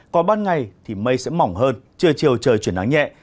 còn ban ngày thì mây sẽ mỏng hơn trưa chiều trời chuyển nắng nhẹ